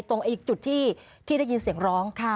อีกจุดที่ได้ยินเสียงร้อง